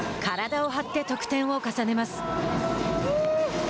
体を張って得点を重ねます。